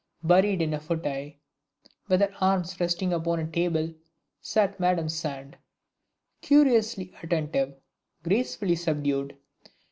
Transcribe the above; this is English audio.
Buried in a fauteuil, with her arms resting upon a table, sat Madame Sand, curiously attentive, gracefully subdued.